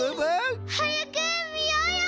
はやくみようよ！